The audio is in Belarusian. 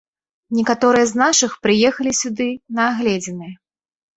Некаторыя з нашых прыехалі сюды на агледзіны.